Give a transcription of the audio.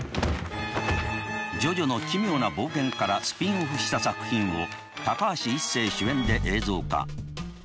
「ジョジョの奇妙な冒険」からスピンオフした作品を高橋一生主演で映像化。